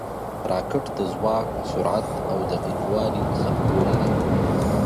راکټ د ځواک، سرعت او دقیق والي سمبول دی